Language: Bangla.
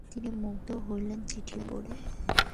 তিনি মুগ্ধ হলেন চিঠি পড়ে।